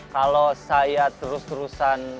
kalau saya terus terusan